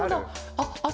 あっあっ